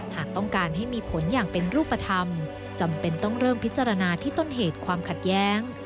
หากต้องการให้มีผลอย่างเป็นรูปธรรมจำเป็นต้องเริ่มพิจารณาที่ต้นเหตุความขัดแย้ง